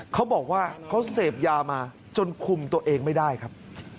เขาบอกว่าเขาเสพยามาจนคุมตัวเองไม่ได้ครับ